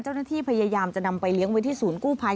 เจ้าหน้าที่พยายามจะนำไปเลี้ยงไว้ที่ศูนย์กู้ภัย